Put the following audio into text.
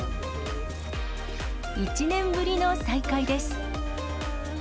１年ぶりの再会です。